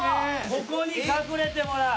ここに隠れてもらう。